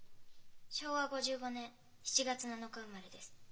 昭和５５年７月７日生まれです。